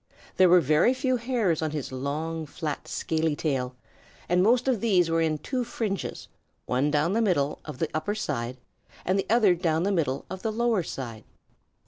There were very few hairs on his long, flat, scaly tail, and most of these were in two fringes, one down the middle of the upper side, and the other down the middle of the lower side.